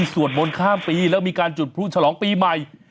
สวดมนต์ข้ามปีแล้วมีการจุดพลุฉลองปีใหม่